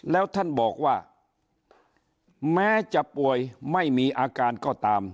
แล้วท่านบอกว่าแม้จะป่วยไม่มีอาการก็ตาม